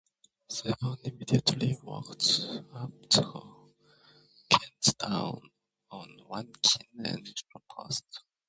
Sehorn immediately walked up to her, knelt down on one knee and proposed.